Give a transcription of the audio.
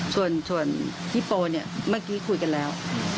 ส่วนพี่โปเนี่ยเมื่อกี้คุยกันแล้ว